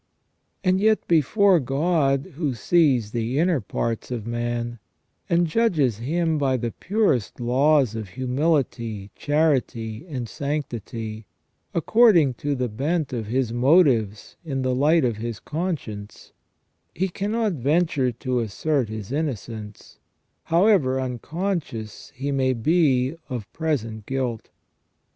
" And yet before God, who sees the inner parts of man, and judges him by the purest laws of humility, charity, and sanctity, according to the bent of his motives in the light of his conscience 1 64 SELF AND CONSCIENCE he cannot venture to assert his innocence, however unconscious he may be of present guilt.